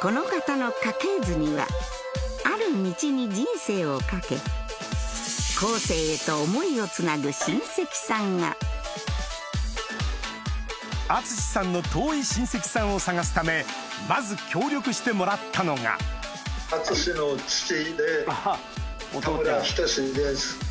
この方の家系図にはある道に人生を懸け後世へと思いをつなぐ親戚さんが淳さんの遠い親戚さんを探すためまず協力してもらったのが淳の父で田村等です。